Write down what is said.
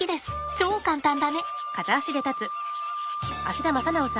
超簡単だね！